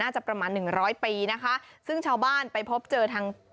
ประมาณหนึ่งร้อยปีนะคะซึ่งชาวบ้านไปพบเจอทาง